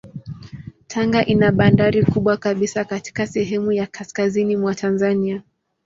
Tanga ina bandari kubwa kabisa katika sehemu ya kaskazini mwa Tanzania.